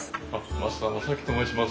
増田正樹と申します。